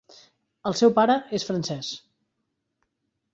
El seu pare és francès.